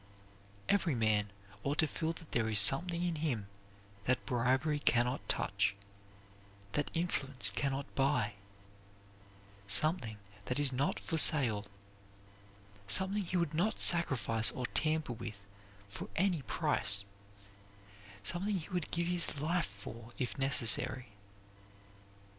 Every man ought to feel that there is something in him that bribery can not touch, that influence can not buy; something that is not for sale; something he would not sacrifice or tamper with for any price; something he would give his life for if necessary.